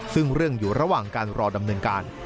ซึ่งเรื่องอยู่ระหว่างการรอดำเนินการ